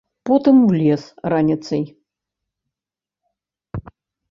Потым у лес раніцай.